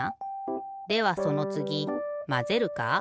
ではそのつぎまぜるか？